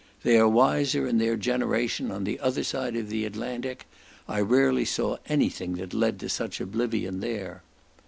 They are wiser in their generation on the other side the Atlantic; I rarely saw any thing that led to such oblivion there.